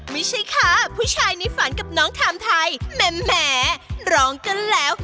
ไม่ใช่ค่ะผู้ชายในฝันกับน้องไทม์ไทยแหมร้องกันแล้ว